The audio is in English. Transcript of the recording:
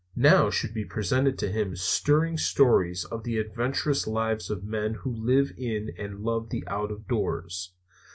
Now should be presented to him stirring stories of the adventurous lives of men who live in and love the out of doors.